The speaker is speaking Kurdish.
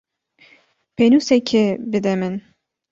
Pênûsekê bide min.